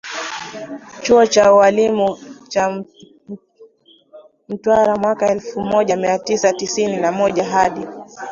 chuo cha ualimu cha Mtwara mwaka elfu moja mia tisa tisini na moja hadi